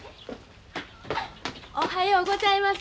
おはようございます。